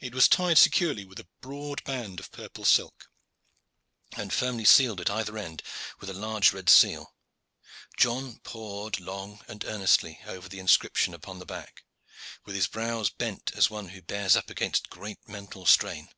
It was tied securely with a broad band of purple silk, and firmly sealed at either end with a large red seal. John pored long and earnestly over the inscription upon the back, with his brows bent as one who bears up against great mental strain.